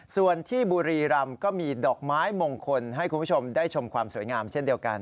ส่วนที่บุรีรำก็มีดอกไม้มงคลให้คุณผู้ชมได้ชมความสวยงามเช่นเดียวกัน